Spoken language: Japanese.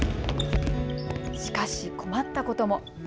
しかし困ったことも。